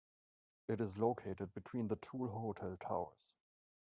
It is located between the two hotel towers.